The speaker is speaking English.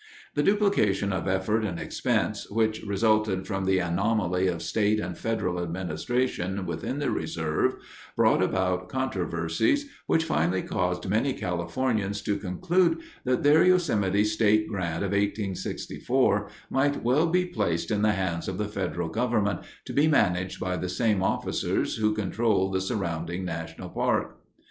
The duplication of effort and expense which resulted from the anomaly of state and federal administration within the reserve brought about controversies which finally caused many Californians to conclude that their Yosemite State Grant of 1864 might well be placed in the hands of the federal government, to be managed by the same officers who controlled the surrounding national park.